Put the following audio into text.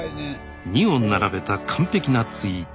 ２を並べた完璧なツイート。